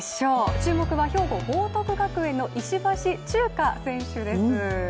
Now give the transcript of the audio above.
注目は兵庫・報徳学園の石橋チューカ選手です。